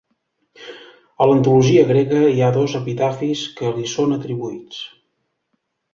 A l'antologia grega hi ha dos epitafis que li són atribuïts.